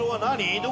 どこ？